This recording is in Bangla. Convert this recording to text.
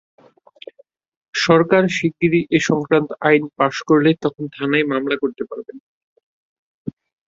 সরকার শিগগিরই এ-সংক্রান্ত আইন পাস করলে তখন থানায় মামলা করতে পারবেন।